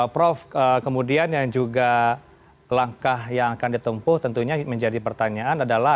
prof kemudian yang juga langkah yang akan ditempuh tentunya menjadi pertanyaan adalah